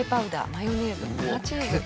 マヨネーズ。